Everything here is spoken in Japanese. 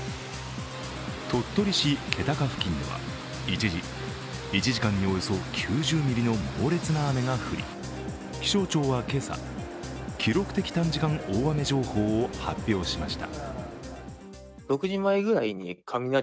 鳥取市気高付近では一時、１時間におよそ９０ミリの猛烈な雨が降り、気象庁は今朝記録的短時間大雨情報を発表しました。